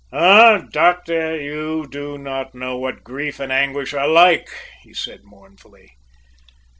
"Ah, doctor, you do not know what grief and anguish are like!" he said mournfully.